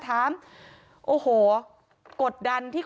ความปลอดภัยของนายอภิรักษ์และครอบครัวด้วยซ้ำ